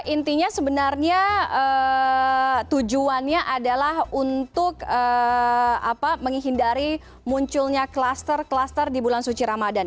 intinya sebenarnya tujuannya adalah untuk menghindari munculnya cluster cluster di bulan suci ramadhan